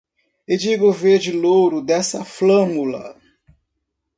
E diga o verde-louro dessa flâmula